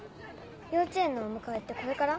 幼稚園のお迎えってこれから？